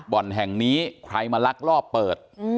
บ่อนแห่งนี้ใครมาลักลอบเปิด